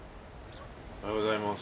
おはようございます。